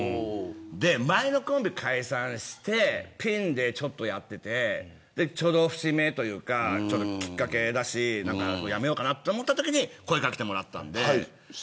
前のコンビ解散してピンでちょっとやっててちょうど節目というかきっかけだしやめようかなと思ったときに声掛けてもらったんで。